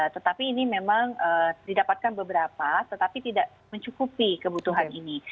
tetapi ini memang didapatkan beberapa tetapi tidak mencukupi kebutuhan ini